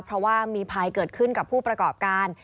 เพราะว่ามีภัยเกิดขึ้นกับผู้ประกอบการ